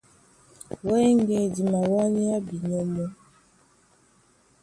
Wɛ́ŋgɛ̄ di mawánéá binyɔ́ mɔ́.